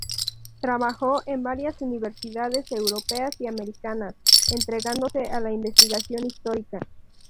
Trabajó en varias universidades europeas y americanas, entregándose a la investigación histórica.